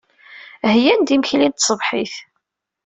Heyyan-d imekli n tṣebḥit.